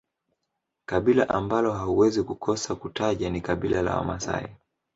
kabila ambalo hauwezi kukosa kutaja ni kabila la Wamasai